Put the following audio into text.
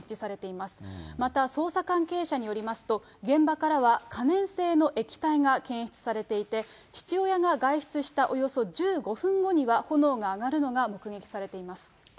また捜査関係者によりますと、現場からは可燃性の液体が検出されていて、父親が外出したおよそ１５分後には、炎が上がるのが目撃されています。